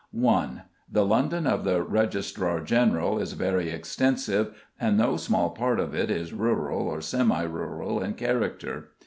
1. The London of the Registrar General is very extensive, and no small part of it is rural or semi rural in character.